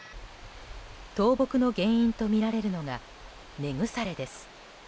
倒木の原因とみられるのが根腐れです。